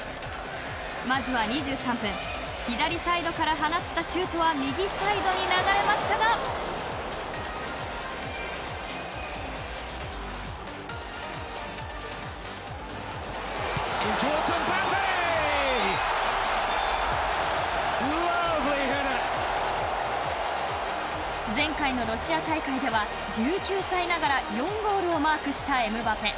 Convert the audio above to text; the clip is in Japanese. まずは２３分左サイドから放ったシュートは右サイドに流れましたが前回のロシア大会では１９歳ながら４ゴールをマークしたエムバペ。